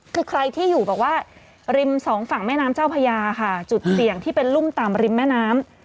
คือใครที่อยู่แบบว่าริมสองฝั่งแม่น้ำเจ้าพญาค่ะจุดเสี่ยงที่เป็นรุ่มต่ำริมแม่น้ำ